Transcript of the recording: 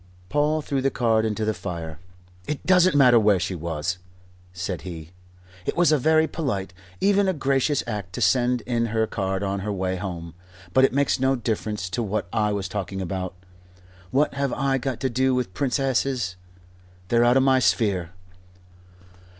Paul threw the card into the fire. "It doesn't matter where she was," said he. "It was a very polite even a gracious act to send in her card on her way home. But it makes no difference to what I was talking about. What have I got to do with princesses? They're out of my sphere.